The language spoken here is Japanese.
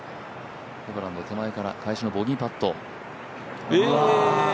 ホブランド手前から返しのボギーパット。